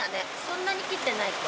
そんなに切ってないけん。